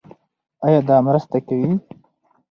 ایا دا مرسته کوي؟